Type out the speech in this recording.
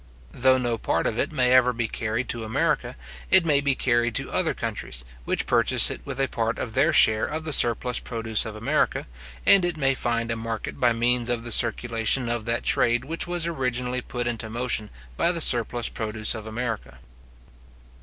Though no part of it may ever be carried to America, it may be carried to other countries, which purchase it with a part of their share of the surplus produce of America, and it may find a market by means of the circulation of that trade which was originally put into motion by the surplus produce of America.